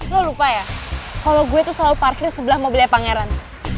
lo lupa ya kalau gue itu selalu parkir sebelah mobilnya pangeran